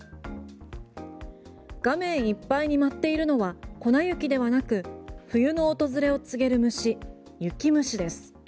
画面いっぱいに舞っているのは粉雪ではなく冬の訪れを告げる虫雪虫です。